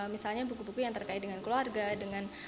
misalnya buku buku yang terkait dengan keluarga dengan